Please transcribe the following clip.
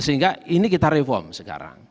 sehingga ini kita reform sekarang